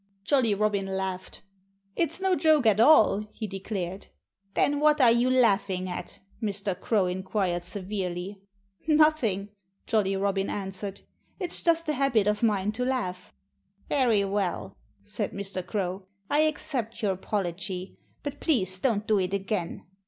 Jolly Robin laughed. "It's no joke at all!" he declared. "Then what are you laughing at?" Mr. Crow inquired severely. "Nothing!" Jolly Robin answered. "It's just a habit of mine to laugh." "Very well!" said Mr. Crow. "I accept your apology. But please don't do it again....